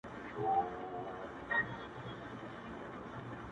o د اسويـــــلـويـو خــــوراكــــونـــــه كــــــــــړي؛